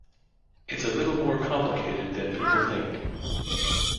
It's a little more complicated than people think.